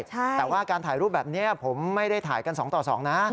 แต่ว่าการถ่ายรูปแบบนี้ผมไม่ได้ถ่ายกัน๒ต่อ๒นะ